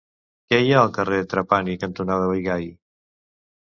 Què hi ha al carrer Trapani cantonada Bigai?